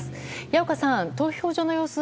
矢岡さん、投票所の様子